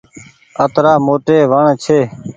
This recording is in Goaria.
اترآ موٽي وڻ ڇي